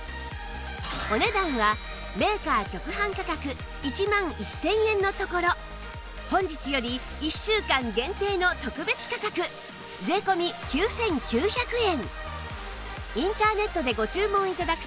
お値段はメーカー直販価格１万１０００円のところ本日より１週間限定の特別価格税込９９００円